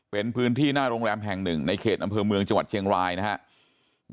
เป็นพื้นที่หน้าโรงแรมแห่งหนึ่งในเขตอำเภอเมืองจังหวัดเชียงรายนะครับ